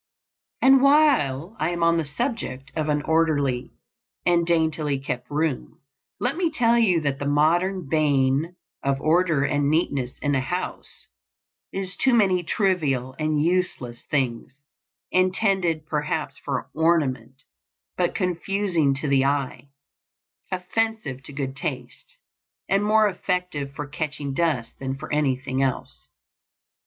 And while I am on the subject of an orderly and daintily kept room, let me tell you that the modern bane of order and neatness in a house is too many trivial and useless things, intended perhaps for ornament, but confusing to the eye, offensive to good taste, and more effective for catching dust than for anything else.